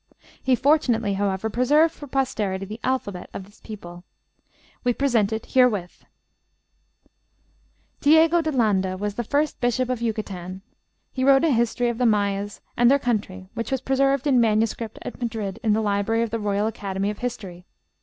He fortunately, however, preserved for posterity the alphabet of this people. We present it herewith. ### LANDA'S ALPHABET (From "North Amer. of Antiquity," p. 434.) Diego de Landa was the first bishop of Yucatan. He wrote a history of the Mayas and their country, which was preserved in manuscript at Madrid in the library of the Royal Academy of History....